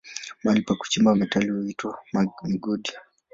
Mahali pa kuchimba metali huitwa migodi.